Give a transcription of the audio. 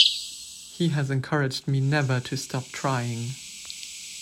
He has encouraged me never to stop trying.